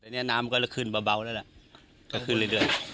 อันนี้น้ำก็จะขึ้นเบาแล้วล่ะก็ขึ้นเรื่อย